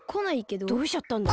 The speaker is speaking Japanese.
どうしちゃったんだろう。